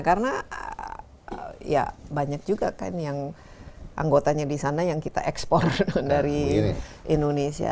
karena ya banyak juga kan yang anggotanya di sana yang kita ekspor dari indonesia